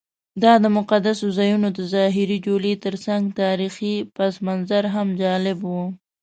دا د مقدسو ځایونو د ظاهري جولې ترڅنګ تاریخي پسمنظر هم جالب و.